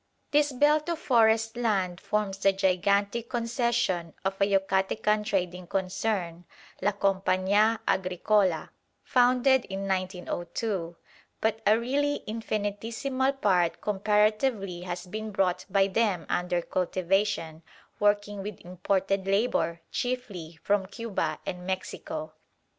This belt of forest land forms the gigantic concession of a Yucatecan trading concern, "La Compañía Agricola," founded in 1902; but a really infinitesimal part comparatively has been brought by them under cultivation, working with imported labour, chiefly from Cuba and Mexico.